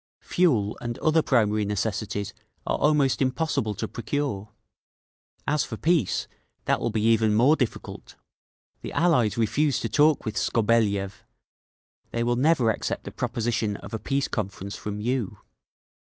Fuel and other primary necessities are almost impossible to procure…. "As for peace, that will be even more difficult. The allies refused to talk with Skobeliev. They will never accept the proposition of a peace conference from _you.